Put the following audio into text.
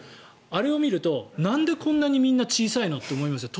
あれを見るとなんでこんなにみんな小さいの？と思いますよ。